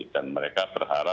dan mereka berharga